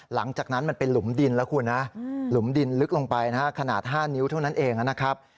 หลังจากนั้นมันเป็นหลุมดินแล้วคุณนะหลุมดินลึกลงไปนะฮะขนาด๕นิ้วเท่านั้นเองนะครับ